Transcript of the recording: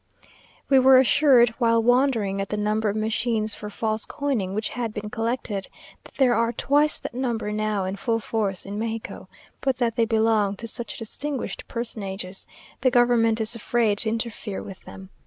We were assured, while wondering at the number of machines for false coining which had been collected, that there are twice that number now in full force in Mexico; but that they belong to such distinguished personages, the government is afraid to interfere with them.